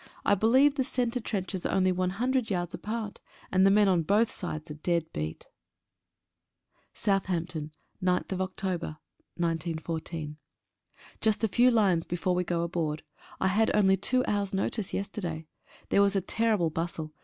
T believe the centre trenches are only one hundred yards apart, and the men on both sides are dead beat. 11 THE SEND OFF. Southampton, 9/10/14. UST a few lines before we go aboard. I had only two hours' notice yesterday. There was a terrible bustle.